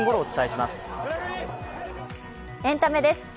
エンタメです。